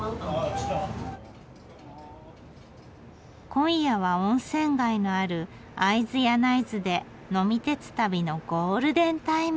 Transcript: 今夜は温泉街のある会津柳津で呑み鉄旅のゴールデンタイム。